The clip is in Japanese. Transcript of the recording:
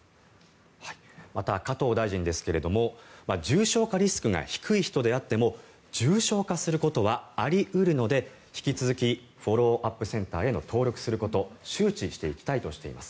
また、加藤大臣ですが重症化リスクが低い人であっても重症化することはあり得るので引き続きフォローアップセンターへ登録することを周知していきたいとしています。